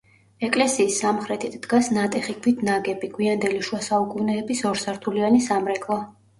ეკლესიის სამხრეთით დგას ნატეხი ქვით ნაგები, გვიანდელი შუა საუკუნეების ორსართულიანი სამრეკლო.